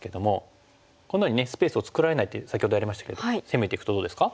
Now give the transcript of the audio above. このようにスペースを作られないって先ほどやりましたけど攻めていくとどうですか？